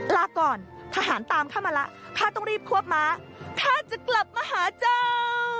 ลาก่อนทหารตามข้ามาแล้วข้าต้องรีบควบม้าข้าจะกลับมาหาเจ้า